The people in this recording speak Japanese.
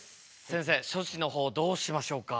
先生処置の方どうしましょうか？